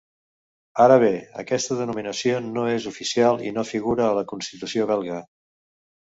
Ara bé, aquesta denominació no és oficial i no figura a la Constitució belga.